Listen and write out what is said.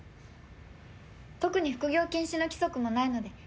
特に副業禁止の規則もないので。